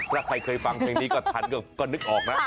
ถ้าใครเคยฟังเพลงนี้ก็ทันก็นึกออกนะ